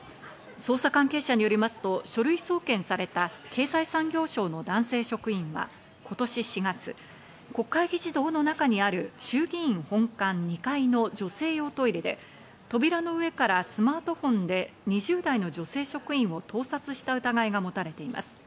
捜査関係者によりますと、書類送検された経済産業省の男性職員は今年４月、国会議事堂の中にある衆議院本館２階の女性用トイレで扉の上からスマートフォンで２０代の女性職員を盗撮した疑いが持たれています。